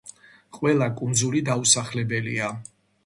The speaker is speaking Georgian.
ყველა კუნძული დაუსახლებელია.